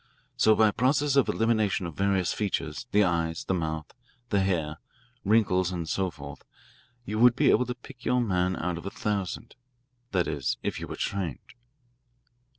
So by a process of elimination of various features, the eyes, the mouth, the hair, wrinkles, and so forth, you would be able to pick your man out of a thousand that is, if you were trained."